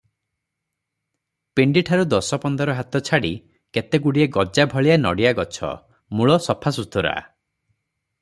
ପିଣ୍ତିଠାରୁ ଦଶ ପନ୍ଦର ହାତ ଛାଡ଼ି କେତେଗୁଡ଼ିଏ ଗଜାଭଳିଆ ନଡ଼ିଆ ଗଛ, ମୂଳ ସଫାସୁତୁରା ।